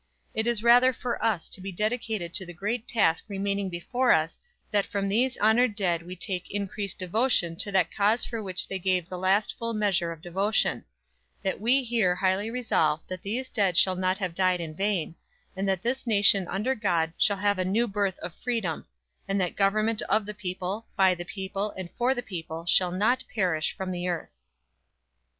It is rather for us to be dedicated to the great task remaining before us that from these honored dead we take increased devotion to that cause for which they gave the last full measure of devotion; that we here highly resolve that these dead shall not have died in vain: and that this nation under God shall have a new birth of freedom; and that government of the people, by the people and for the people shall not perish from the earth."